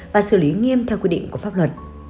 và xử lý nghiêm theo quy định của pháp luật